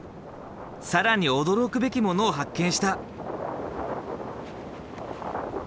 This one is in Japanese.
更に驚くべきものを発見した。